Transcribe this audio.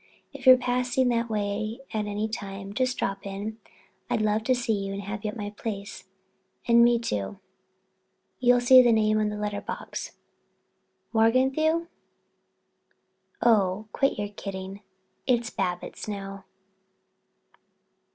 If you're passing that way any time, just drop in. I'd love to see you and have you see my place—and me, too. You'll see the name on the letter box—Morganthau? Oh, quit your kidding—it's Babbitts now.